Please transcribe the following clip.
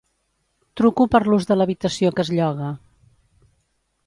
Truco per l'ús de l'habitació que es lloga.